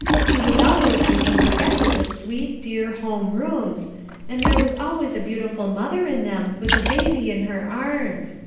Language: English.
He was always making sketches of sweet, dear, home rooms, and there was always a beautiful mother in them with a baby in her arms.